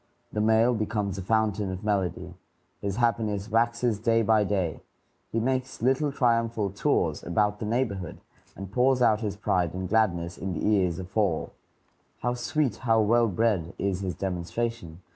The male becomes a fountain of melody; his happiness waxes day by day; he makes little triumphal tours about the neighborhood, and pours out his pride and gladness in the ears of all. How sweet, how well bred, is his demonstration!